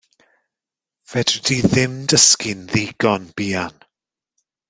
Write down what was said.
Fedri di ddim dysgu'n ddigon buan.